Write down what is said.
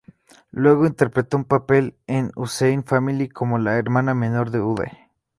Luego, interpretó un papel en "Hussein Family", como la hermana menor de Uday.